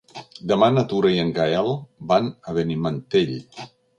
Demà na Tura i en Gaël van a Benimantell.